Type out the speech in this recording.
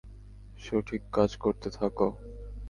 সঠিক কাজ করতে থাকো।